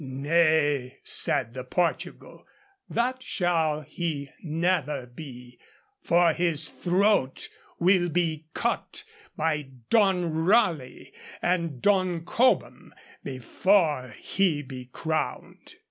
'Nay,' said the Portugal, 'that shall he never be, for his throat will be cut by Don Raleigh and Don Cobham before he be crowned.'